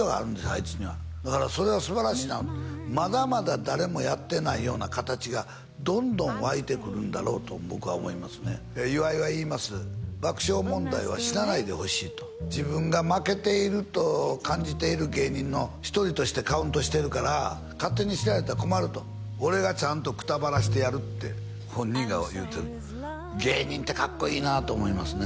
あいつにはだからそれはすばらしいなまだまだ誰もやってないような形がどんどん湧いてくるんだろうと僕は思いますね岩井は言います「爆笑問題は死なないでほしい」と自分が負けていると感じている芸人の一人としてカウントしてるから勝手に死なれたら困ると「俺がちゃんとくたばらしてやる」って本人が言うてる芸人ってかっこいいなと思いますね